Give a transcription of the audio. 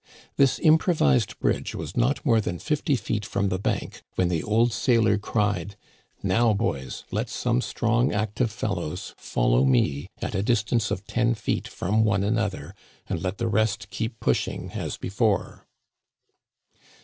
This improvised bridge was not more than fifty feet from the bank when the old sailor cried :" Now, boys, let some strong active fellows follow me at a distance of ten feet from one another, and let the rest keep pushing as before